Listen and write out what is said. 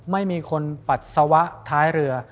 ไม่มีคนปัสสาวะท้ายเรือ